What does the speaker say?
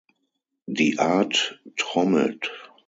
Die Art trommelt.